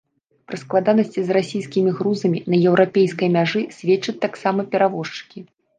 Пра складанасці з расійскімі грузамі на еўрапейскай мяжы сведчаць таксама перавозчыкі.